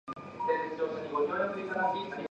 It also left more than fifty people were injured.